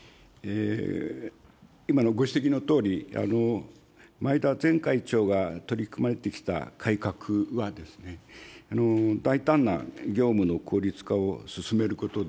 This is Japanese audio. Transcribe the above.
今のご指摘のとおり、前田前会長が取り組まれてきた改革は、大胆な業務の効率化を進めることで、